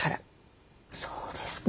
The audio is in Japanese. そうですか。